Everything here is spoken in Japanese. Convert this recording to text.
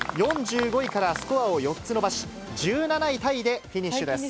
４５位からスコアを４つ伸ばし、１７位タイでフィニッシュです。